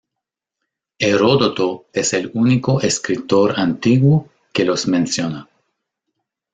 Heródoto es el único escritor antiguo que los menciona.